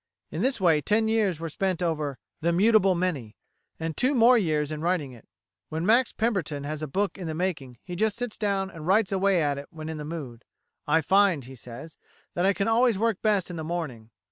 In this way ten years were spent over "The Mutable Many," and two more years in writing it.[133:B] When Max Pemberton has a book in the making he just sits down and writes away at it when in the mood. "I find," he says, "that I can always work best in the morning.